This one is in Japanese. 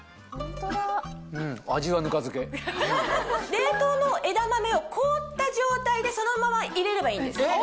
冷凍の枝豆を凍った状態でそのまま入れればいいんです。